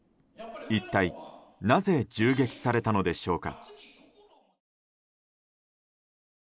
一体なぜ銃撃されたのでしょうか。